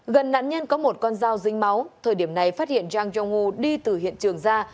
gần nạn nhân có một con dao rinh máu thời điểm này phát hiện zhang zhonggu đi từ hiện trường ra